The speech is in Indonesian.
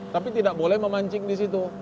tapi tidak boleh memancing di situ